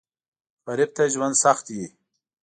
غریب ته ژوند سخت وي